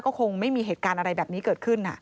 ก็คงไม่มีเหตุการณ์อะไรแบบนี้เกิดขึ้น